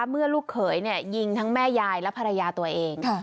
ลูกเขยยิงทั้งแม่ยายและภรรยาตัวเอง